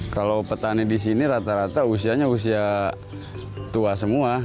kalau petani di sini rata rata usianya usia tua semua